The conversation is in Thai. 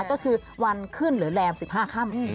ก็คือวันคุณเหลือแลมสิบห้าค่ำ